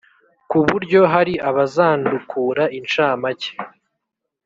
ku buryo hari abazandukura incamake